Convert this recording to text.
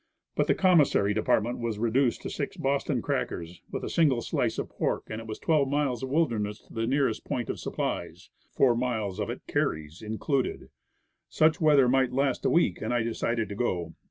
But the commissary de partment was reduced to six Boston crackers, with a single slice of pork, and it was twelve miles of wil derness to the nearest point of supplies, four miles of it carries, included. Such weather might last a week, and I decided to go.